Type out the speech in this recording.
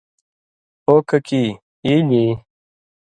”او ککی ایلیۡ ای“